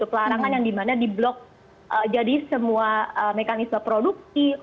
pelarangan yang dimana di blok jadi semua mekanisme produksi